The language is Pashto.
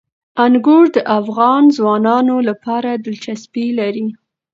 انګور د افغان ځوانانو لپاره دلچسپي لري.